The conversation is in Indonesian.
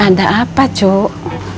ada apa cuk